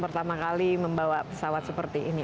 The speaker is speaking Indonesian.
pertama kali membawa pesawat seperti ini